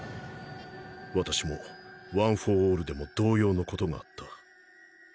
私もワン・フォー・オールでも同様の事があった。